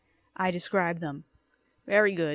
I described them. "Very good.